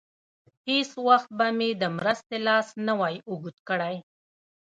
هېڅ وخت به مې د مرستې لاس نه وای اوږد کړی.